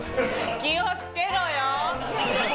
気をつけろよ。